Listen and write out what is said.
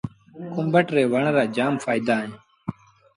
ڪُوڀٽ ري وڻ رآ جآم ڦآئيدآ اهيݩ۔